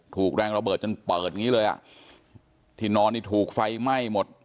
ถูกแรงระเบิดจนเปิดอย่างงี้เลยอ่ะที่นอนนี่ถูกไฟไหม้หมด